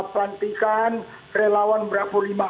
pelantikan relawan bravo lima